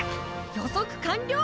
予測完了！